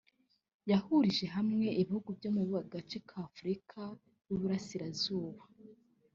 yahurije hamwe ibihugu byo mu gace ka Afurika y’uburasirazuba